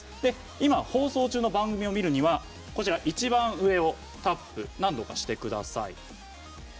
今、放送中の番組を見るには一番上をタップ、何度かしてください。